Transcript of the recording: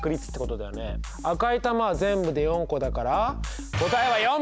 赤い玉は全部で４個だから答えは。